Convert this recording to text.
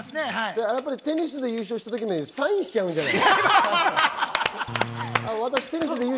テニスで優勝した時みたいにサインしちゃうんじゃない？